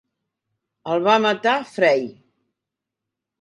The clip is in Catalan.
El va matar Freyr.